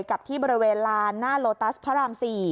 กับที่บริเวณลานหน้าโลตัสพระราม๔